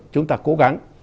chúng ta cố gắng